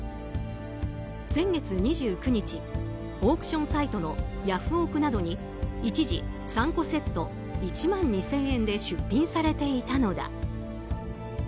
先月２９日、オークションサイトのヤフオク！などに一時、３個セット１万２０００円で出品されていたのだ。